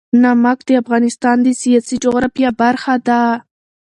نمک د افغانستان د سیاسي جغرافیه برخه ده.